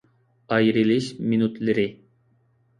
ئايرىلىش مىنۇتلىرى